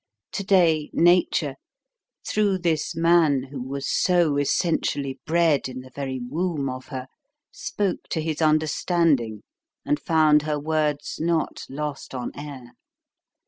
To day Nature through this man who was so essentially bred in the very womb of her spoke to his understanding and found her words not lost on air.